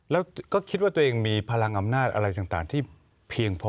แล้วก็คิดว่าตัวเองมีพลังอำนาจอะไรต่างที่เพียงพอ